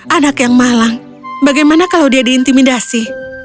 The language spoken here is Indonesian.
anak yang malang bagaimana kalau dia diintimidasi